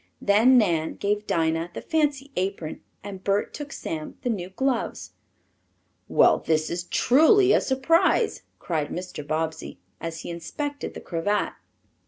Then Nan gave Dinah the fancy apron and Bert took Sam the new gloves. "Well this is truly a surprise!" cried Mr. Bobbsey, as he inspected the cravat.